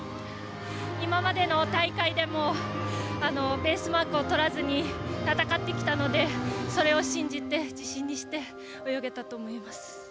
今までの大会でもベースマークをとらずに戦ってきたのでそれを信じて自信にして、泳げたと思います。